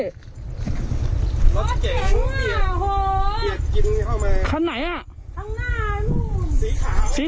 รถเก่งอ่ะโอ้โห